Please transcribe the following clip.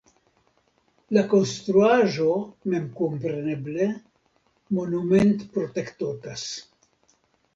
La konstruaĵo memkompreneble monumentprotektotas.